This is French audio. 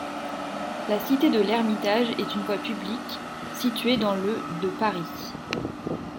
La cité de l'Ermitage est une voie publique située dans le de Paris.